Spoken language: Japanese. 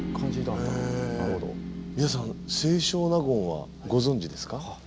皆さん清少納言はご存じですか？